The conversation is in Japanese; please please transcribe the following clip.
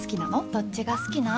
どっちが好きなん？